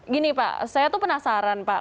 gini pak saya tuh penasaran pak